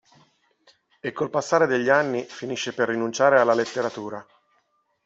E col passare degli anni finisce per rinunciare alla letteratura.